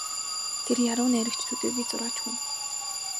Тэрээр яруу найрагч төдийгүй зураач хүн.